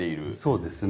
そうですね。